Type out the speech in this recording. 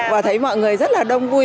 và thấy mọi người rất là đông vui